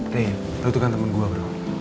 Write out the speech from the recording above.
rey lo itu kan temen gue bro